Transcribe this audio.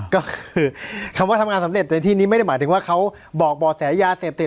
ก็คือคำว่าทำงานสำเร็จในที่นี้ไม่ได้หมายถึงว่าเขาบอกบ่อแสยาเสพติด